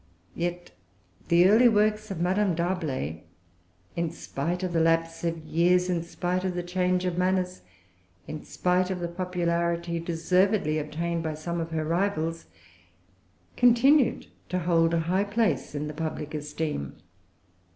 Yet the early works of Madame D'Arblay, in spite of the lapse of years, in spite of the change of manners, in spite of the popularity deservedly obtained by some of her rivals, continued to hold a high place in the public esteem.